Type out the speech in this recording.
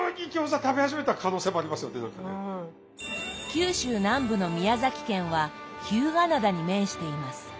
九州南部の宮崎県は日向灘に面しています。